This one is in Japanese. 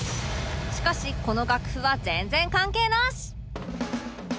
しかしこの楽譜は全然関係なし！